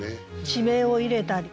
地名を入れたり。